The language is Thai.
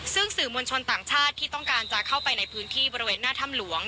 ซึ่งสื่อมวลชนต่างชาติที่ต้องการจะเข้าไปในพื้นที่บริเวณหน้าถ้ำหลวง